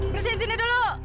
bersihin sini dulu